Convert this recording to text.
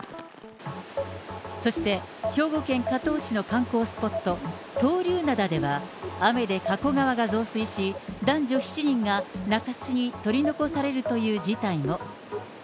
そして兵庫県加東市の観光スポット、闘竜灘では、雨で加古川が増水し、男女７人が中州に取り残されるという事態も。